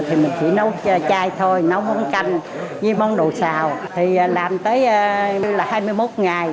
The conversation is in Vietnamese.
thì mình chỉ nấu chai thôi nấu món canh với món đồ xào thì làm tới là hai mươi một ngày